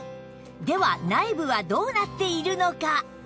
では内部はどうなっているのか？